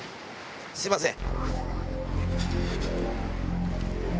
すいません。